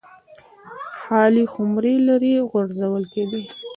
خالي خُمرې لرې غورځول کېدې